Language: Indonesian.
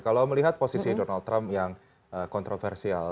kalau melihat posisi donald trump yang kontroversial